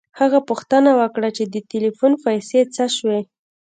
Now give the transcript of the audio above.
هغه پوښتنه وکړه چې د ټیلیفون پیسې څه شوې